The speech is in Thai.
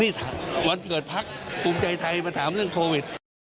นี่วันเกิดพักภูมิใจไทยมาถามเรื่องโควิด